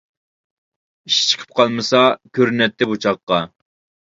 ئىشى چىقىپ قالمىسا، كۆرۈنەتتى بۇ چاغقا.